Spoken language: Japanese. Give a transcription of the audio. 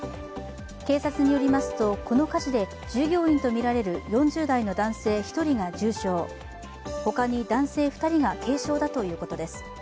警察によりますとこの火事で従業員とみられる４０代の男性１人が重傷、ほかに男性２人が軽傷だということです。